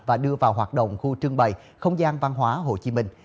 và đưa vào hoạt động khu trương bày không gian văn hóa hồ chí minh